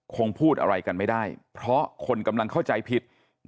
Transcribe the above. คงพูดอะไรกันไม่ได้เพราะคนกำลังเข้าใจผิด